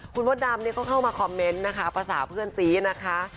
คุณมดดำก็เข้ามาคอมเมนต์นะคะภาษาเพื่อนซีนะคะ